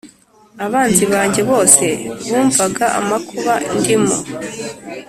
Abanzi banjye bose bumvaga amakuba ndimo,